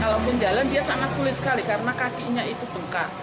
kalaupun jalan dia sangat sulit sekali karena kakinya itu bengkak